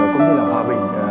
cũng như là hòa bình